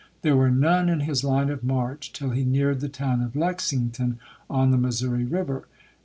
There were none in his line of march till he neared the town of Lexington, on the Mis souri River.